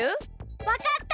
わかった！